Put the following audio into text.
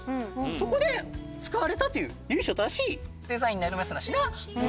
そこで使われたという由緒正しいデザインになりますなっしな。